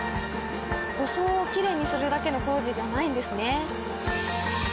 装をきれいにするだけの工事じゃないんですね。